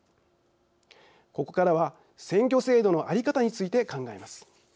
ここからは選挙制度の在り方について考えます。